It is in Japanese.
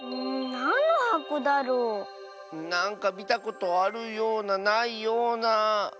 なんのはこだろう？なんかみたことあるようなないような。